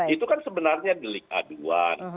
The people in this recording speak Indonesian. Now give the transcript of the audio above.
itu kan sebenarnya delik aduan